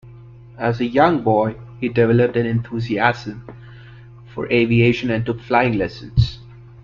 As a young boy he developed an enthusiasm for aviation and took flying lessons.